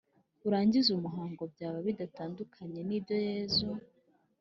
urangize umuhango byaba bidatandukanye n’ibyo yezu